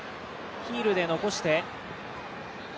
ヒールで残して。